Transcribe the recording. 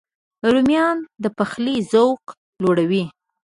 رومیان د پخلي ذوق لوړوي